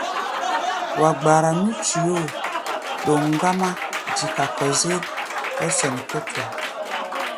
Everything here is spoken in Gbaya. Wa gbara nú tuyóo ɗǒŋ ŋamá dika kɔ-zér hɔ́ sɛn kútua.